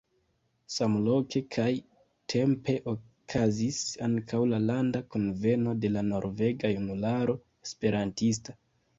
Samloke kaj -tempe okazis ankaŭ la Landa Kunveno de la Norvega Junularo Esperantista.